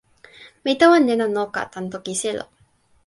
mi tawa nena noka tan toki selo.